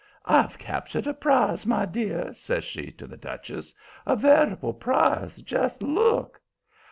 "I've captured a prize, my dear," says she to the Duchess. "A veritable prize. Just look!"